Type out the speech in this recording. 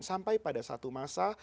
sampai pada satu masa